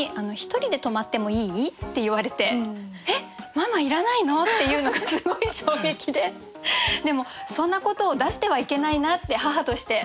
「１人で泊まってもいい？」って言われて「えっママいらないの？」っていうのがすごい衝撃ででもそんなことを出してはいけないなって母として。